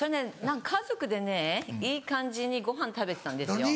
家族でねいい感じにごはん食べてたんですよ。